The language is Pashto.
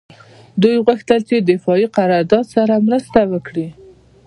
دوی غوښتل چې د دفاعي قراردادي سره مرسته وکړي